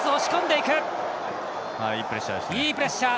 いいプレッシャー。